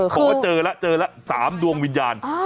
เขาว่าเจอแล้ว๖๓ดวงวิญญาณ